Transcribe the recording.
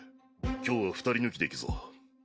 今日は二人抜きでいくぞ。